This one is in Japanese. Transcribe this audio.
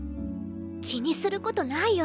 気にする事ないよ。